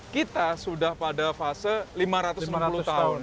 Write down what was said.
kita sudah pada fase lima ratus enam puluh tahun